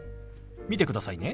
見てくださいね。